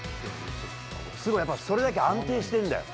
すごい、やっぱ、それだけ安定してるんだよ。